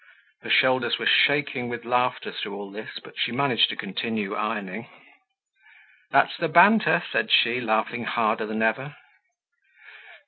Her shoulders were shaking with laughter through all this, but she managed to continue ironing. "That's the banter!" said she, laughing harder than ever.